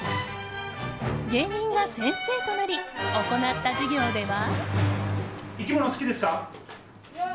芸人が先生となり行った授業では。